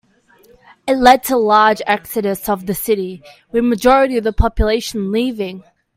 It led to a large exodus of the city, with a majority of the population leaving.